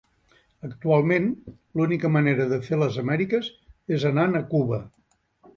Actualment, l'única manera de fer les Amèriques és anant a Cuba.